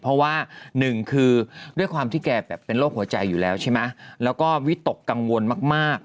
เพราะว่าหนึ่งคือด้วยความที่แกแบบเป็นโรคหัวใจอยู่แล้วใช่ไหมแล้วก็วิตกกังวลมาก